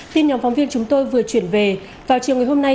tin nhóm phóng viên chúng tôi vừa chuyển về vào chiều ngày hôm nay